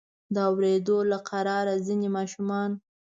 د اوریدو له قراره ځینې ماشومانو.